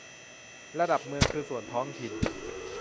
ระดับเมืองคือส่วนท้องถิ่น